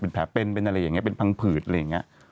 เป็นแผลเป็นเป็นอะไรอย่างนี้เป็นพังผืดอะไรอย่างนี้